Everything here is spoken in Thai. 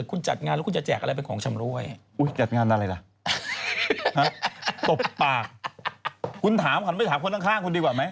คุณถามถ้าไม่ถามคนข้างคุณดีกว่าไหม